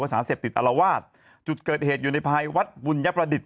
ว่าสาเหตุติดอารวาสจุดเกิดเหตุอยู่ในภายวัดบุญยักษ์ประดิษฐ์